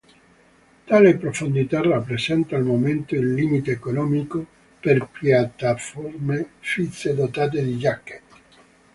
Tale profondità rappresenta al momento il limite economico per piattaforme fisse dotate di "jacket".